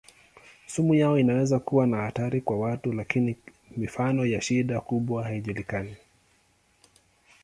Sumu yao inaweza kuwa na hatari kwa watu lakini mifano ya shida kubwa haijulikani.